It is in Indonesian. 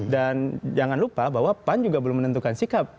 dan jangan lupa bahwa pan juga belum menentukan sikap